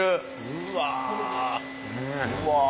うわ。